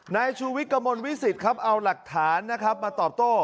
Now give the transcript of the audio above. นายชวิตกระมวลวิสิตเอาหลักฐานมาตอบโต้